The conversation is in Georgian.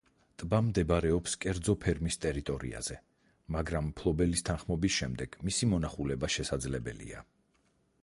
ტბა მდებარეობს კერძო ფერმის ტერიტორიაზე, მაგრამ მფლობელის თანხმობის შემდეგ მისი მონახულება შესაძლებელია.